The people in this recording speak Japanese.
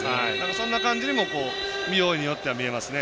そんな感じにも見ようによっては見れますね。